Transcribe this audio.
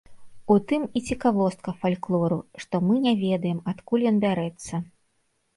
У тым і цікавостка фальклору, што мы не ведаем, адкуль ён бярэцца.